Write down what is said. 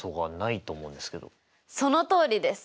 そのとおりです！